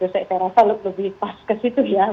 saya rasa lebih pas ke situ ya